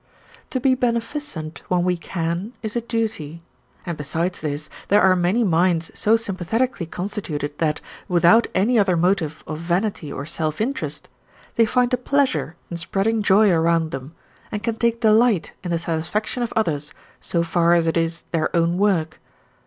To be beneficent when we can is a duty; and besides this, there are many minds so sympathetically constituted that, without any other motive of vanity or self interest, they find a pleasure in spreading joy around them and can take delight in the satisfaction of others so far as it is their own work.